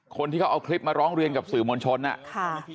คนที่เขาเอาคลิปมาร้องเรียนกับสื่อมวลชนอ่ะค่ะ